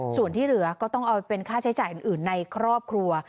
ส่วนที่เหลือก็ต้องเอาเป็นค่าใช้จ่ายอื่นในครอบครัว